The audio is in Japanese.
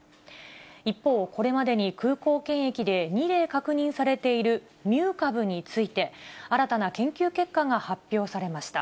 一方、これまでに空港検疫で２例確認されているミュー株について、新たな研究結果が発表されました。